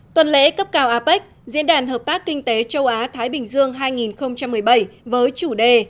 tuần lễ cấp cao apec diễn đàn hợp tác kinh tế châu á thái bình dương hai nghìn một mươi bảy với chủ đề